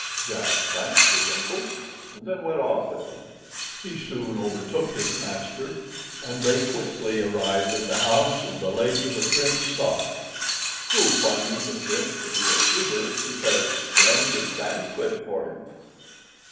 Jack thanked his uncle, and then went off with them. He soon overtook his master and they quickly arrived at the house of the lady the Prince sought, who, finding the Prince to be a suitor, prepared a splendid banquet for him.